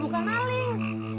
dia bukan maling